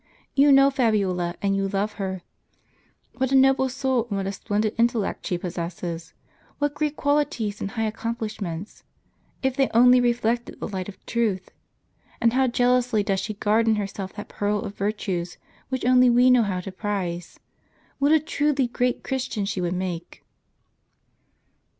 You know Fabiola, and you love her. What a noble soul, and what a splendid intellect she possesses ! What great quali ties and high accomplishments, if they only reflected the light of truth ! And how jealously does she guard in herself that pearl of virtues, which only we know how to prize ! What a truly great Christian she would make